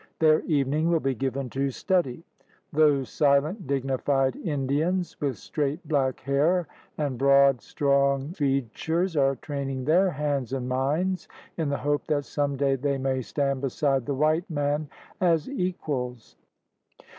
Their evening will be given to study. Those silent dignified Indians with straight black hair and broad, strong features are training their hands and minds in the hope that some day they may stand beside the white man as equals.